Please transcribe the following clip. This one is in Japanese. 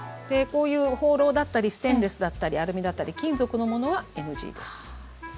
こういうホーローだったりステンレスだったりアルミだったり金属のものはＮＧです。